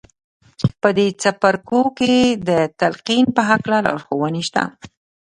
په دې څپرکو کې د تلقین په هکله لارښوونې شته